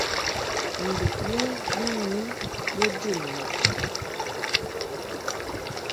Nduʼ lɛ bi mi bo jun mɔʼ.